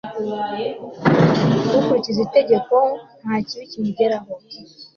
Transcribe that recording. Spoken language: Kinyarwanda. ukurikiza itegeko, nta kibi kimugeraho